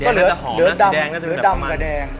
เหลือดำกับแดง